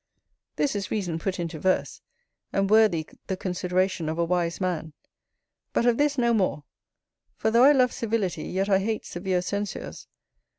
This is reason put into verse, and worthy the consideration of a wise man. But of this no more; for though I love civility, yet I hate severe censures.